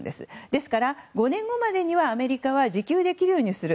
ですから５年後までにはアメリカは自給できるようにする。